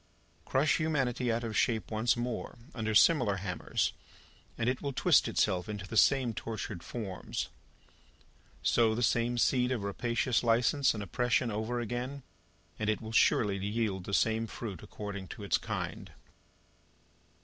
Crush humanity out of shape once more, under similar hammers, and it will twist itself into the same tortured forms. Sow the same seed of rapacious license and oppression over again, and it will surely yield the same fruit according to its kind.